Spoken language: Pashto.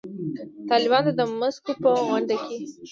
طالبانو ته د مسکو په غونډه کې